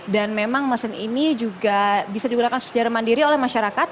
dan memang mesin ini juga bisa digunakan secara mandiri oleh masyarakat